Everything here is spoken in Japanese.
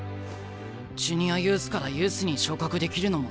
ジュニアユースからユースに昇格できるのも選抜制。